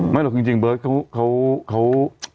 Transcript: หรอกจริงเบิร์ตเขา